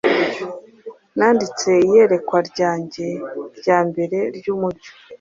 Nanditse Iyerekwa ryanjye ryambere ryumucyo,